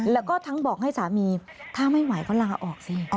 แล้วก็ทั้งบอกให้สามีถ้าไม่ไหวก็ลาออกสิ